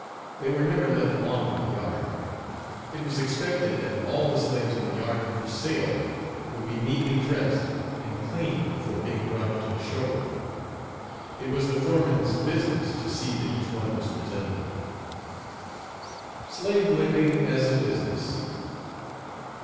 They were never left long in the yard. It was expected that all the slaves in the yard for sale would be neatly dressed and clean before being brought into the show room. It was the foreman's business to see that each one was presentable. SLAVE WHIPPING AS A BUSINESS.